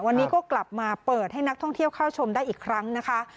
วันนี้ก็กลับมาเปิดให้นักท่องเที่ยวเข้าชมได้อีกครั้งนะคะ